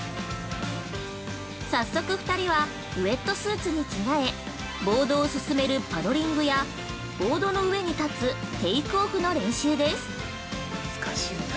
早速、２人はウェットスーツに着替え、ボードを進めるパドリングやボードの上に立つテイクオフの練習です。